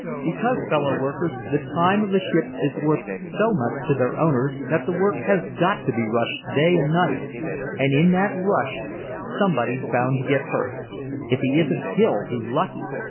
Because, fellow workers, the time of the ships is worth so much to their owners that the work has got to be rushed day and night and in that rush somebody's bound to get hurt if he isn't killed he's lucky!